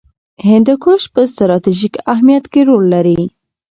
هندوکش په ستراتیژیک اهمیت کې رول لري.